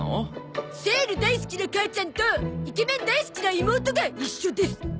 セール大好きな母ちゃんとイケメン大好きな妹が一緒です。